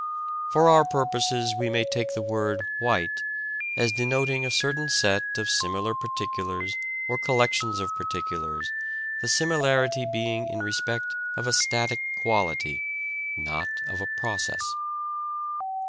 For our purposes, we may take the word "white" as denoting a certain set of similar particulars or collections of particulars, the similarity being in respect of a static quality, not of a process.